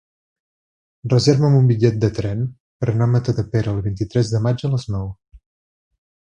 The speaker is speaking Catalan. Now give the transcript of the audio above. Reserva'm un bitllet de tren per anar a Matadepera el vint-i-tres de maig a les nou.